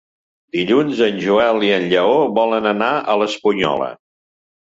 Dilluns en Joel i en Lleó volen anar a l'Espunyola.